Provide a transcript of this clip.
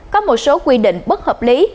có một số quy định bất hợp lý